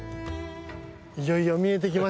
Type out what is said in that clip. いよいよ見えてきましたね。